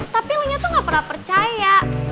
tapi lo nya tuh ga pernah percaya